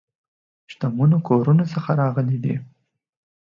شتمنو کورونو څخه راغلي دي.